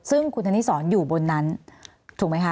ซึ่งคุณธนิสรอยู่บนนั้นถูกไหมคะ